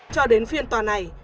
cho đến phiên tòa này